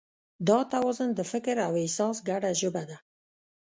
دا توازن د فکر او احساس ګډه ژبه ده.